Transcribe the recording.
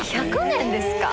２１００年ですか？